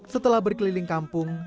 setelah berkeliling kampung